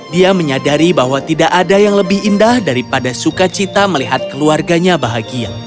dia menyadari bahwa tidak ada yang lebih indah daripada suka cita melihat keluarganya bahagia